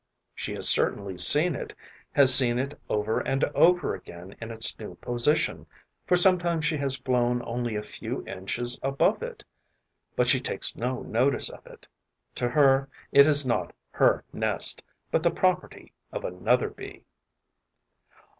She has certainly seen it, has seen it over and over again in its new position, for sometimes she has flown only a few inches above it; but she takes no notice of it. To her, it is not her nest, but the property of another Bee.